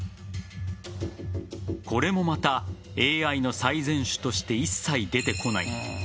これもまた、ＡＩの最善手として一切出てこない。